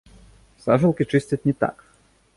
Сажалкі чысцяць не так.